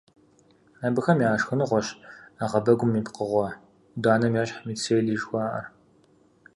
Абыхэм я шхыныгъуэщ ӏэгъэбэгум и пкъыгъуэ, ӏуданэм ещхь, мицелий жыхуаӏэр.